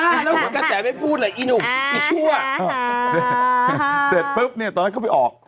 แล้วหัวกระแตไม่พูดเลยอีหนุ่มอีชั่วเสร็จปุ๊บเนี่ยตอนนั้นเขาไปออก